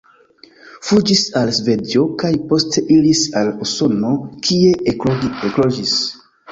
Fuĝis al Svedio kaj poste iris al Usono, kie ekloĝis.